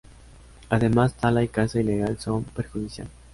Además tala y caza ilegal son perjudicial.